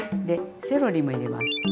でセロリも入れます。